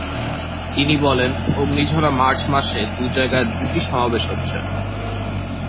তিনি বলেন, অগ্নিঝরা মার্চ মাসে দু জায়গায় দুটি সমাবেশ হচ্ছে।